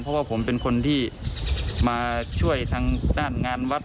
เพราะว่าผมเป็นคนที่มาช่วยทางด้านงานวัด